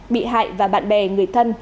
bị hại và bạn bè người thân